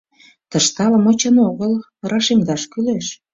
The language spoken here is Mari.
Тыште ала-мо чын огыл, рашемдаш кӱлеш.